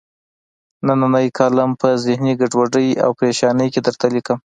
نننۍ کالم په ذهني ګډوډۍ او پریشانۍ کې درته لیکم.